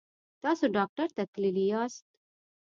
تاسو ډاکټر ته تللي یاست؟